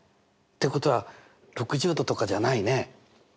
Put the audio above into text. ってことは６０°とかじゃないね。